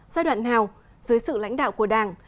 giai đoạn nào dưới sự lãnh đạo của đảng